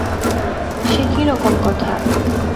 সে কী রকম কথা?